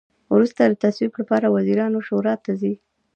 وروسته د تصویب لپاره وزیرانو شورا ته ځي.